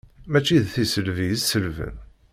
Mačči d tiselbi i selben.